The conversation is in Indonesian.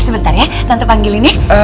sebentar ya tante panggilin ya